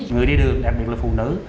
người đi đường đặc biệt là phụ nữ